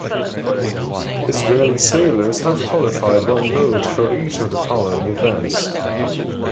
Israeli sailors have qualified one boat for each of the following events.